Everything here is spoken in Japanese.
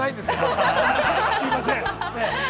すいません。